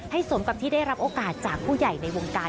สมกับที่ได้รับโอกาสจากผู้ใหญ่ในวงการ